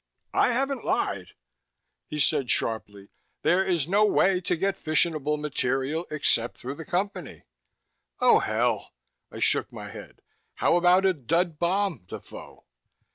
"I haven't lied!" He said sharply, "There is no way to get fissionable material except through the Company!" "Oh, hell!" I shook my head. "How about a dud bomb, Defoe?"